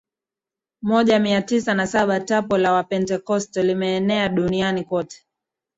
moja Mia tisa na saba tapo la Wapentekoste limeenea duniani kote